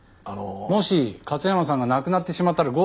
もし勝山さんが亡くなってしまったら強盗殺人。